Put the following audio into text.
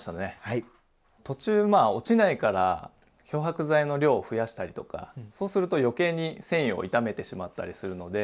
途中落ちないから漂白剤の量を増やしたりとかそうすると余計に繊維を傷めてしまったりするので。